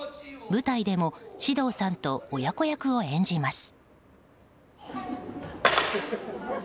舞台でも獅童さんと親子役を演じます。